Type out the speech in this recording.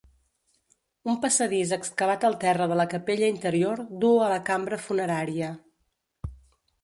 Un passadís excavat al terra de la capella interior duu a la cambra funerària.